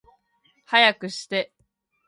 早くして